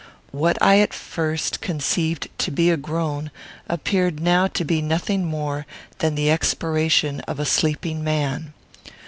What I at first conceived to be a groan appeared now to be nothing more than the expiration of a sleeping man.